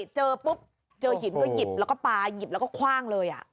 เจอปุ๊บเจอหินก็หยิบแล้วก็ปลาหยิบแล้วก็คว่างเลย